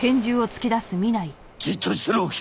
じっとしてろ右京！